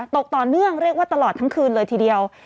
ตกต่อเนื่องเรียกว่าตลอดทั้งคืนเลยทีเดียว